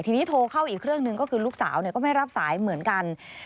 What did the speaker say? ทีนี้โทรเข้าอีกเครื่องหนึ่งก็คือลูกสาวก็ไม่รับสายเหมือนกัน